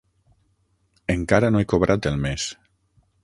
Encara no he cobrat el mes.